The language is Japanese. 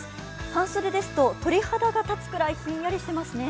半袖ですと鳥肌が立つくらいひんやりしていますね。